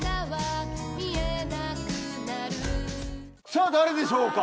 さぁ誰でしょうか？